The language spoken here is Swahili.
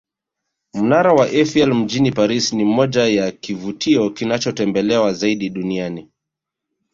Mnara wa Eifel mjini Paris ni mmoja ya kivutio kinachotembelewa zaidi duniani